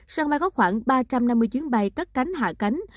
sân bay có khoảng ba trăm năm mươi chuyến bay cất cánh hạ cánh